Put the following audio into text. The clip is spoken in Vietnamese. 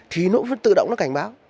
thì nó vẫn tự động nó cảnh báo